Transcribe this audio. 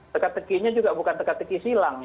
teka tekinya juga bukan teka teki silang